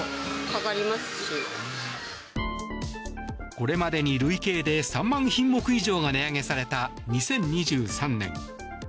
これまでに累計で３万品目以上が値上げされた２０２３年。